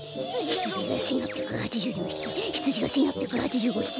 ひつじが１８８４ひきひつじが１８８５ひき。